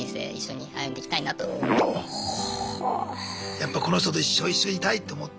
やっぱこの人と一生一緒にいたいって思って。